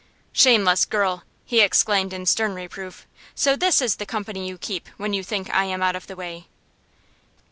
"Shameless girl!" he exclaimed, in stern reproof. "So this is the company you keep when you think I am out of the way!"